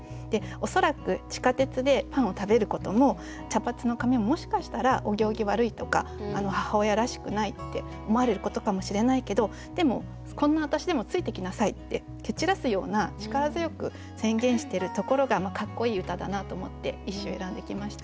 恐らく地下鉄でパンを食べることも茶髪の髪ももしかしたらお行儀悪いとか母親らしくないって思われることかもしれないけどでもこんな私でもついてきなさいって蹴散らすような力強く宣言してるところがかっこいい歌だなと思って１首選んできました。